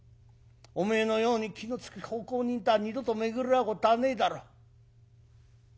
おめえのように気のつく奉公人とは二度と巡り合うことはねえだろう」。